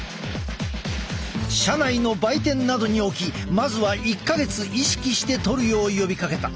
社内の売店などに置きまずは１か月意識してとるよう呼びかけた。